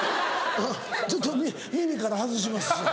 ちょっと耳から外します。